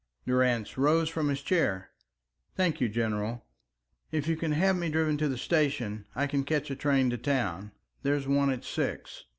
Durrance rose from his chair. "Thank you, General. If you can have me driven to the station, I can catch a train to town. There's one at six."